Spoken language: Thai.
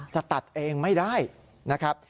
จะตัดเองไม่ได้นะครับ